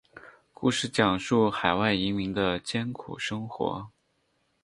故事讲述海外移民的艰苦生活。